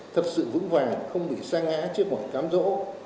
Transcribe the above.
thật sự vững vàng không bị xa ngã trước mọi cám dỗ